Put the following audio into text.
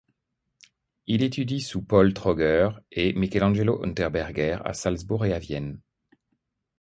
Il étudie sous Paul Troger et Michelangelo Unterberger à Salzbourg et à Vienne.